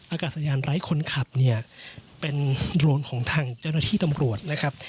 อากาศยานไร้คนขับเนี่ยเป็นโดรนของทางเจ้าหน้าที่ตำรวจนะครับ